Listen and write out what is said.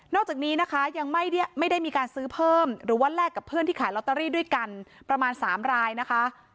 จากนี้นะคะยังไม่ได้มีการซื้อเพิ่มหรือว่าแลกกับเพื่อนที่ขายลอตเตอรี่ด้วยกันประมาณ๓รายนะคะ